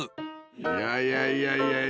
いやいやいやいやいや。